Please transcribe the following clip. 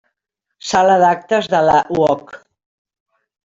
Sala d'actes de la UOC.